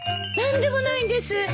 何でもないんです。